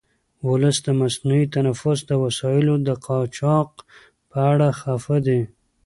ولس د مصنوعي تنفس د وسایلو د قاچاق په اړه خفه دی.